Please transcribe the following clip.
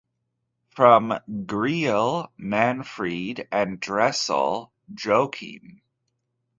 From Griehl, Manfred and Dressel, Joachim.